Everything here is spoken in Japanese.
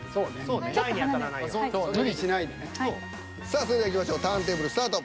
さあそれではいきましょうターンテーブルスタート。